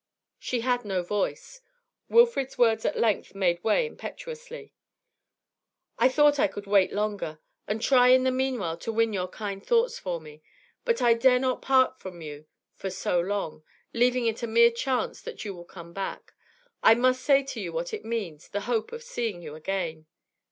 She had no voice. Wilfrid's words at length made way impetuously. 'I thought I could wait longer, and try in the meanwhile to win your kind thoughts for me; but I dare not part from you for so long, leaving it a mere chance that you will come back. I must say to you what it means, the hope of seeing you again.